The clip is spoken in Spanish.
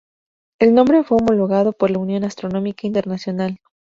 El nombre fue homologado por la Unión Astronómica Internacional.